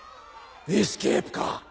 エスケープか！